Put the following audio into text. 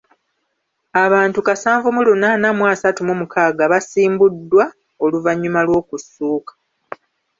Abantu kasanvu mu lunaana mu asatu mu mukaaga basimbuddwa oluvannyuma lw'okussuuka.